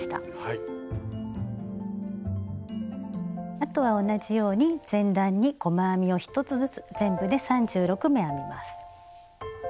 あとは同じように前段に細編みを１つずつ全部で３６目編みます。